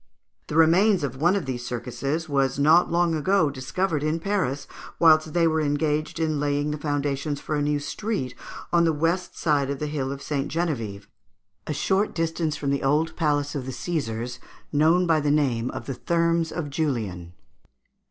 The remains of one of these circuses was not long ago discovered in Paris whilst they were engaged in laying the foundations for a new street, on the west side of the hill of St. Geneviève, a short distance from the old palace of the Caesars, known by the name of the Thermes of Julian.